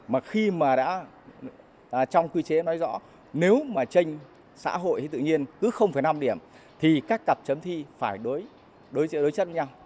mà khi mà đã trong quy chế nói rõ nếu mà trên xã hội thì tự nhiên cứ năm điểm thì các cặp chấm thi phải đối chất với nhau